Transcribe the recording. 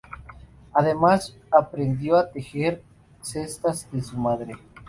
Adams aprendió a tejer cestas de su madre.